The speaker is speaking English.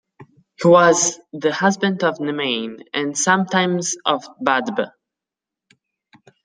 He was the husband of Nemain, and sometimes of Badb.